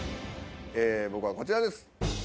僕はこちらです。